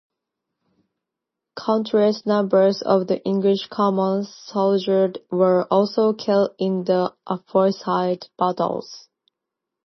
Countless numbers of the English common soldiers were also killed in the aforesaid battle.